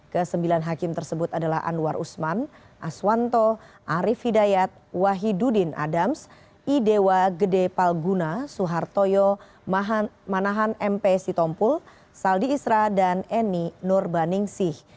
ke sembilan hakim tersebut adalah anwar usman aswanto arief hidayat wahidudin adams idewa gede palguna suhartoyo manahan mp sitompul saldi isra dan eni nurbaningsih